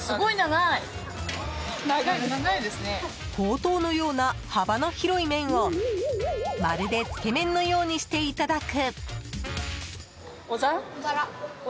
ほうとうのような幅の広い麺をまるで、つけ麺のようにしていただく。